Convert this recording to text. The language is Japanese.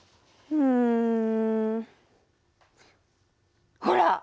うん。ほら！